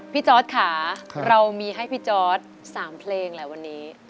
จอร์ดค่ะเรามีให้พี่จอร์ด๓เพลงแหละวันนี้